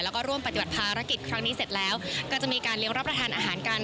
แล้วก็ร่วมปฏิบัติภารกิจครั้งนี้เสร็จแล้วก็จะมีการเลี้ยงรับประทานอาหารกัน